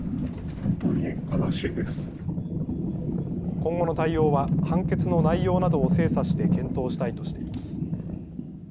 今後の対応は判決の内容などを精査して検討したいとしています。